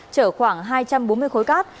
chở khoảng hai trăm bốn mươi khối cát